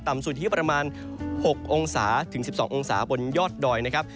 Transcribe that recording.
สุดที่ประมาณ๖องศาถึง๑๒องศาบนยอดดอยนะครับ